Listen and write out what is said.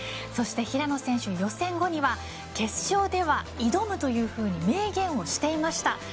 そして平野選手、予選後には決勝では挑むというふうに明言をしていました。